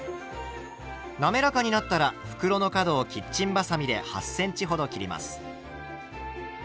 滑らかになったら袋の角をキッチンばさみで８ｃｍほど切ります。